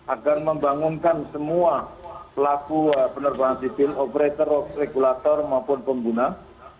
agar membangunkan semua pelaku penerbangan sipil operator regulator maupun pengguna